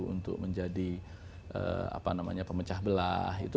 untuk menjadi apa namanya pemecah belah